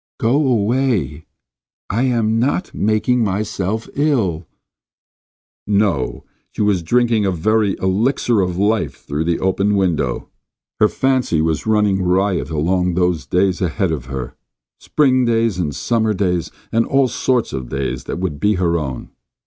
"Go away. I am not making myself ill." No; she was drinking in a very elixir of life through that open window. Her fancy was running riot along those days ahead of her. Spring days, and summer days, and all sorts of days that would be her own.